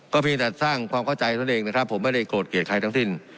เพียงแต่สร้างความเข้าใจเท่านั้นเองนะครับผมไม่ได้โกรธเกลียดใครทั้งสิ้น